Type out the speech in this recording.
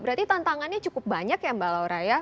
berarti tantangannya cukup banyak ya mbak laura ya